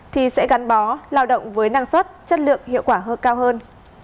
thì sẽ gắn bó lao động với năng suất chất lượng hiệu quả hơn